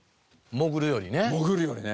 潜るよりね。